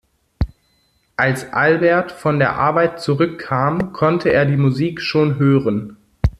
Als Albert von der Arbeit zurück kam konnte er die Musik schon hören.